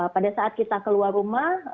pada saat kita keluar rumah